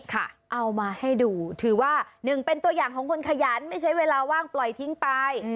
เอามาให้ดูถือว่าหนึ่งเป็นตัวอย่างของคนขยันไม่ใช้เวลาว่างปล่อยทิ้งไป